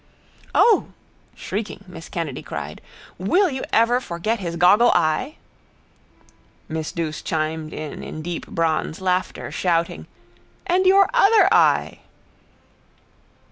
—O! shrieking, miss Kennedy cried. Will you ever forget his goggle eye? Miss Douce chimed in in deep bronze laughter, shouting: —And your other eye!